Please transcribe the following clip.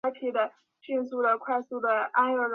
扶余郡是古百济国的首都。